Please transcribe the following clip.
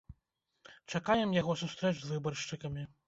Чакаем яго сустрэч з выбаршчыкамі!